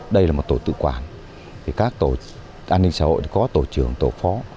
đây là một tổ tự quản các tổ an ninh xã hội có tổ trưởng tổ phó